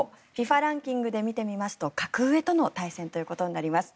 ＦＩＦＡランキングで見てみますと格上との対戦となります。